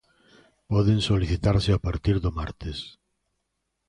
Poden solicitarse a partir do martes.